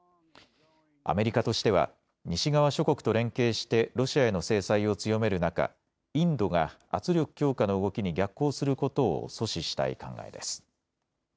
アメリカとしては西側諸国と連携してロシアへの制裁を強める中、インドが圧力強化の動きに逆行することを阻止したい考えです。